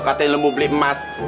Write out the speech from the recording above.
katanya lo mau beli emas